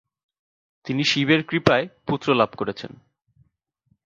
তিনি শিবের কৃপায় পুত্রলাভ করেছেন।